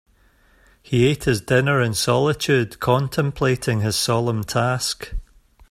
He ate his dinner in solitude, contemplating his solemn task.